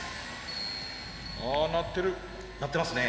あ鳴ってる。